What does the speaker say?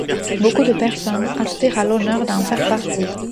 Beaucoup de personnes aspirent à l'honneur d'en faire partie.